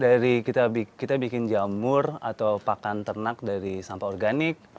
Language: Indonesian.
dari kita bikin jamur atau pakan ternak dari sampah organik